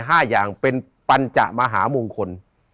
ห้าอย่างเป็นปัญจมหามงคล